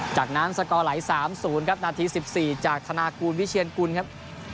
จากนั้นสกอร์ไหล๓๐ครับนาที๑๔จากธนากูลวิเชียนกุลครับ